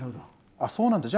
「あっそうなんだ。